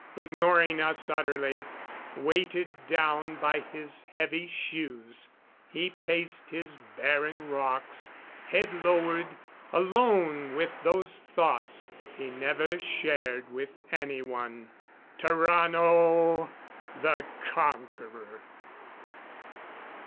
Ignoring us utterly, weighted down by his heavy shoes, he paced his barren rocks, head lowered, alone with those thoughts he never shared with anyone. Tarrano, the Conqueror!